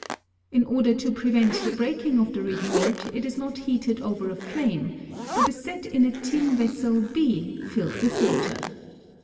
In order to prevent the breaking of the retort, it is not heated over a flame, but is set in a tin vessel B filled with water.